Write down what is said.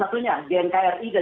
ormas nggak boleh mengalahkan negara